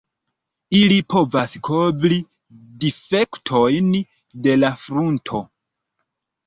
Ili povas kovri difektojn de la frunto.